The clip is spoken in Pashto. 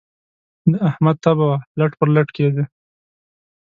د احمد تبه وه؛ لټ پر لټ کېدی.